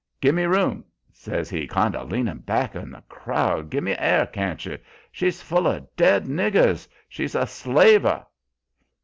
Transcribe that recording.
"'Give me room!' says he, kind o' leanin' back on the crowd. 'Give me air, can't you? She's full o' dead niggers. She's a slaver.'